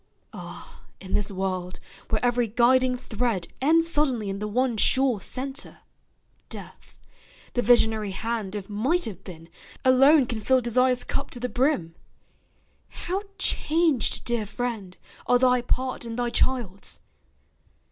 Ah, in this world, where every guiding thread Ends suddenly in the one sure centre, death, The visionary hand of Might have been Alone can fill Desire's cup to the brim! How changed, dear friend, are thy part and thy child's!